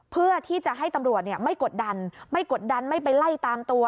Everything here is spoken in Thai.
เพื่อที่จะให้ตำรวจไม่กดดันไม่กดดันไม่ไปไล่ตามตัว